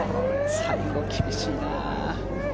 最後、厳しいなぁ。